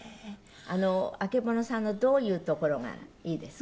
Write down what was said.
曙さんのどういうところがいいですか？